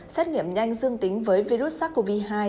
xét nghiệm nhanh dương tính với virus sars cov hai